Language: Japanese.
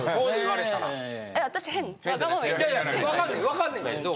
わかんねんけど。